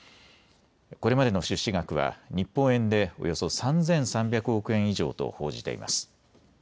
これまでの出資額は日本円でおよそ３３００億円以上と報じています。